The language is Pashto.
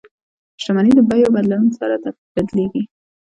شتمني د بیو بدلون سره بدلیږي.